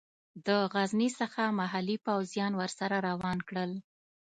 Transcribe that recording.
د غزني څخه محلي پوځیان ورسره روان کړل.